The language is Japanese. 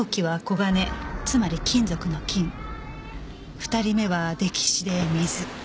２人目は溺死で水。